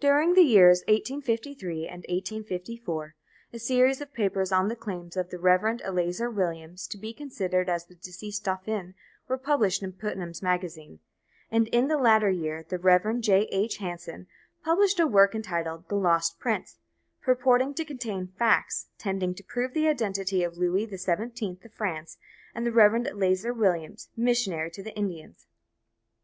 During the years 1853 and 1854, a series of papers on the claims of the Rev. Eleazar Williams to be considered as the deceased dauphin were published in Putnam's Magazine, and in the latter year the Rev. J. H. Hanson published a work entitled "The Lost Prince," purporting to contain "Facts tending to prove the identity of Louis the Seventeenth of France and the Rev. Eleazar Williams, Missionary to the Indians."